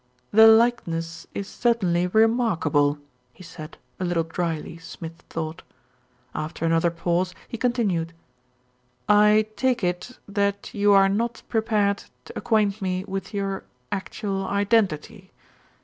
"The likeness is certainly remarkable," he said, a little drily, Smith thought. After another pause, he continued. "I take it that you are not prepared to acquaint me with your actual identity?